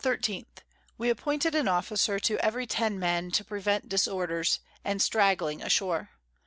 _ We appointed an Officer to every ten Men, to prevent Disorders, and stragling ashore.